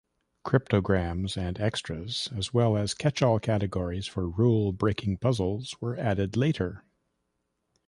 Cryptograms and extras, as well as catchall categories for rule-breaking puzzles, were added later.